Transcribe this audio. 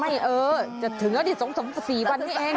ไม่เออจะถึงแล้วสองสี่วันนี้เอง